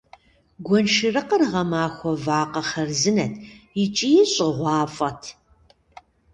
Гуэншэрыкъыр гъэмахуэ вакъэ хъарзынэт икӀи щӀыгъуафӀэт.